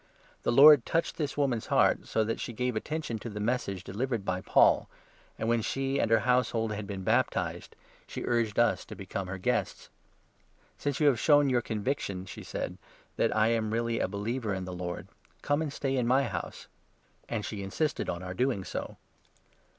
The Lord touched this woman's heart, so that she gave attention to the Message delivered by Paul, and, 15 when she and her household had been baptized, she urged us to become her guests. "Since you have shown your conviction," she said, "that I really am a believer in the Lord, come and stay in my house." And she insisted on our doing so.